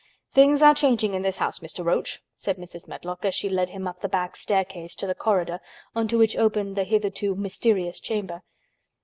"Things are changing in this house, Mr. Roach," said Mrs. Medlock, as she led him up the back staircase to the corridor on to which opened the hitherto mysterious chamber.